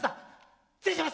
失礼します！